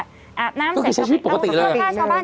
ก็คือใช้ชีวิตปกติเลย